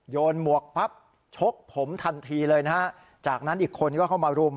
หมวกปั๊บชกผมทันทีเลยนะฮะจากนั้นอีกคนก็เข้ามารุม